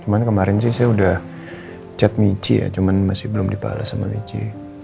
cuman kemarin sih saya sudah chat michi ya cuman masih belum dibalas sama michi